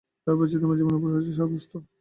এই বৈচিত্র্য জীবনের অপরিহার্য সারবস্তু।